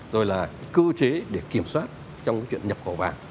rồi là cơ chế để kiểm soát trong cái chuyện nhập khẩu vàng